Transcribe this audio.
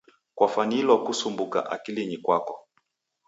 Kwafwanilwa kusumbuka akilinyi kwako.